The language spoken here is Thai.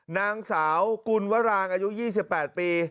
นางสาวกุลวรางอายุ๒๘ปี